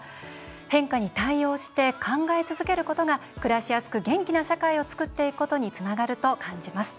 変化に対応して考え続けることが暮らしやすく元気な社会を作っていくことにつながると感じます。